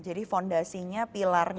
jadi fondasinya pilarnya semua